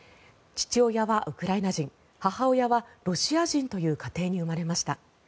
父親はウクライナ人母親はロシア人という家庭に生まれました。